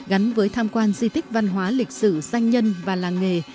gắn với tham quan di tích văn hóa lịch sử danh nhân và làng nghề